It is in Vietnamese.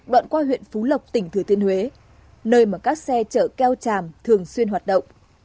đoạn qua huyện phú lộc tỉnh thừa thiên huế nơi mà các xe chở keo tràm thường xuyên hoạt động